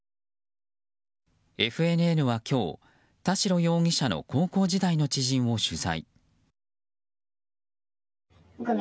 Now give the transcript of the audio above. ＦＮＮは今日、田代容疑者の高校時代の知人を取材。